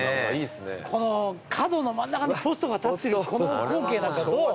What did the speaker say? この角の真ん中にポストが立ってるこの光景なんかどう？